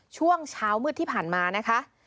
ช่วงเช้ามืดที่ผ่านมานะคะ